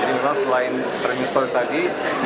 jadi memang selain premium stories tadi